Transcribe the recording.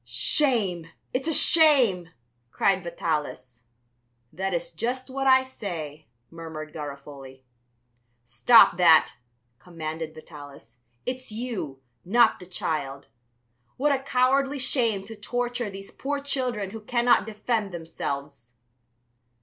"Shame! It's a shame!" cried Vitalis. "That is just what I say," murmured Garofoli. "Stop that," commanded Vitalis; "it's you, not the child! What a cowardly shame to torture these poor children who cannot defend themselves."